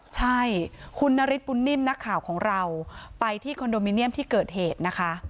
ใช่คุณนฤทธบุญนิ่มนักข่าวของเราไปที่คอนโดมิเนียมที่เกิดเหตุนะคะ